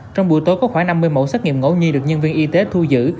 trong buổi tối có khoảng năm mươi mẫu xét nghiệm ngẫu nhiên được nhân viên y tế thu giữ